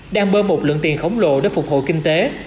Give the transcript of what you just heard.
đang bơm một lượng tiền khổng lồ để phục hồi kinh tế